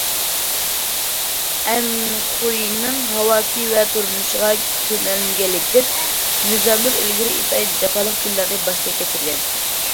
ئەنخۇينىڭ ھاۋاسى ۋە تۇرمۇشىغا كۆنەلمىگەنلىكتىن، گۈزەلنۇر ئىلگىرى ئىنتايىن جاپالىق كۈنلەرنى باشتىن كەچۈرگەن.